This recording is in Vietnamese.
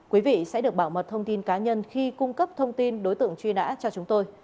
quý vị sẽ được bảo mật thông tin cá nhân khi cung cấp thông tin đối tượng truy nã cho chúng tôi